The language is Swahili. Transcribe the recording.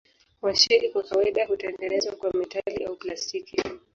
Washeli kwa kawaida hutengenezwa kwa metali au plastiki.